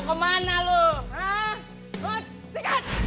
mau kemana lo woy berhenti